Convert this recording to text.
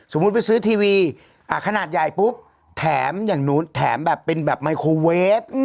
ไปซื้อทีวีขนาดใหญ่ปุ๊บแถมอย่างนู้นแถมแบบเป็นแบบไมโครเวฟ